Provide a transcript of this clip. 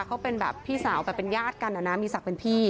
เขาเป็นแบบพี่สาวแบบเป็นญาติกันนะมีศักดิ์เป็นพี่